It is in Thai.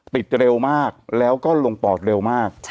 เร็วมากแล้วก็ลงปอดเร็วมาก